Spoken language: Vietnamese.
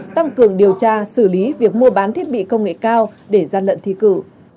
tăng cường điều tra xử lý việc mua bán thiết bị công nghệ cao để gian lận thi cử